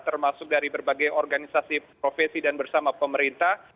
termasuk dari berbagai organisasi profesi dan bersama pemerintah